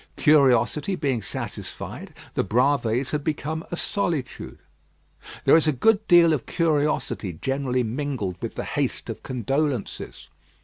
Curiosity being satisfied, the Bravées had become a solitude. There is a good deal of curiosity generally mingled with the haste of condolences.